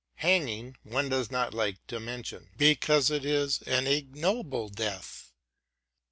Hanging, one does not like to mention, because it is an ignoble death.